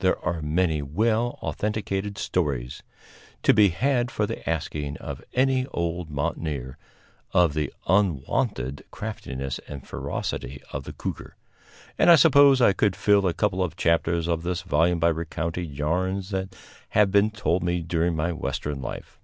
There are many well authenticated stories, to be had for the asking of any old mountaineer, of the unwonted craftiness and ferocity of the cougar, and I suppose I could fill a couple of chapters of this volume by recounting yarns that have been told me during my Western life.